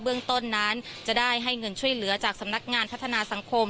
เรื่องต้นนั้นจะได้ให้เงินช่วยเหลือจากสำนักงานพัฒนาสังคม